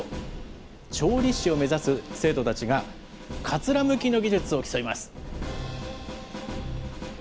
調理師を目指す生徒たちが、かつらむきの技術を競います。